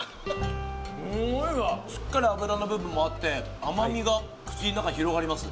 すんごいわしっかり脂の部分もあって甘みが口の中に広がります